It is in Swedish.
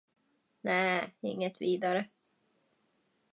Nej, inget vidare.